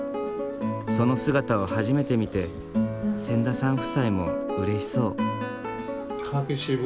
その姿を初めて見て千田さん夫妻もうれしそう。